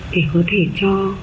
thì có thể cho